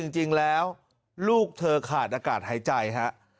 จริงแล้วลูกเธอขาดอากาศหายใจฮะ